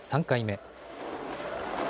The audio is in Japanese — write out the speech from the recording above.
３回目。